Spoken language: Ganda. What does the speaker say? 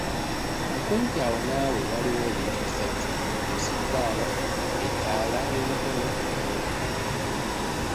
Okumpi awo naawe waliwo ebintu bisatu, omusubbaawa, ettaala y’omukono n’oluku.